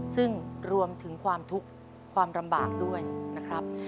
ซึ่งรวมถึงความทุกข์ความลำบากด้วยนะครับ